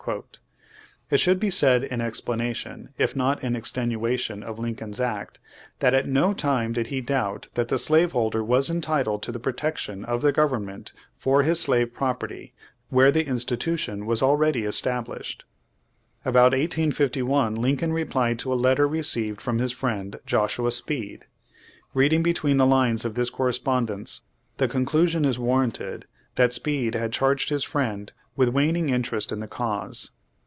It should be said in explanation, if not in extenuation of Lincoln's act, that at no time did he doubt that the slave holder was entitled to the protection of the government for his slave property where the institution Vv^as already established. About 1851 Lincoln replied to a letter received from his friend Joshua Speed. Reading between the lines of this correspondence the conclusion is v/arranted that Speed had charged his friend with waning interest in the cause.